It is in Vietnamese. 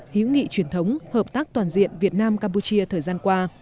hữu nghị truyền thống hợp tác toàn diện việt nam campuchia thời gian qua